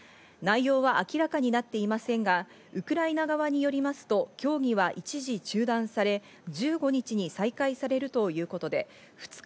内容は明らかになっていませんが、ウクライナ側によりますと、協議は一時中断され、１５日に再開されるということです。